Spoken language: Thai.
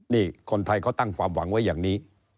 นี่คนไทยเขาตั้งความหวังไว้อย่างนี้